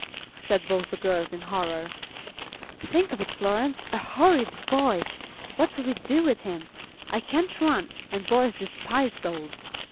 said both the girls in horror. "Think of it, Florence, a horrid boy! What will we do with him? I can't run, and boys despise dolls.